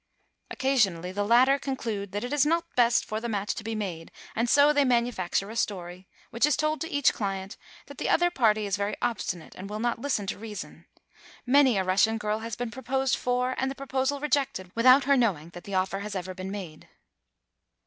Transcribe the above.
Occasionally the latter conclude that it is not best for the match to be made, and so they manufacture a story, which is told to each client, that the other party is very obstinate, and will not listen to reason. Many a Russian ^irl has been proposed for and the proposal rejected, with out her knowing that the offer has ever been made.